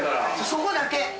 そこだけ。